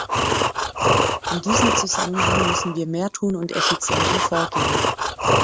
In diesem Zusammenhang müssen wir mehr tun und effizienter vorgehen.